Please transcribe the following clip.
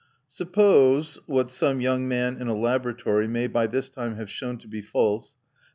Suppose (what some young man in a laboratory may by this time have shown to be false) that M.